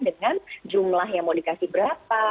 dengan jumlah yang mau dikasih berapa